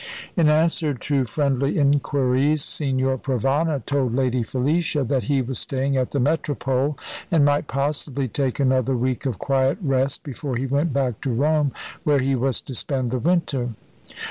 In answer to friendly inquiries, Signor Provana told Lady Felicia that he was staying at the "Metropole," and might possibly take another week of quiet rest before he went back to Rome, where he was to spend the winter.